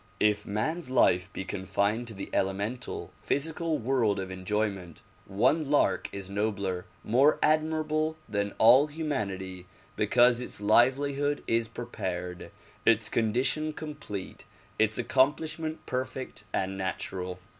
If man's life be confined to the elemental, physical world of enjoy ment, one lark is nobler, more admirable than all humanity because its livelihood is prepared, its condition complete, its accomplish ment perfect and natural.